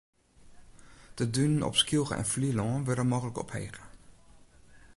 De dunen op Skylge en Flylân wurde mooglik ophege.